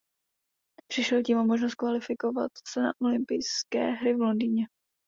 Přišel tím o možnost kvalifikovat se na olympijské hry v Londýně.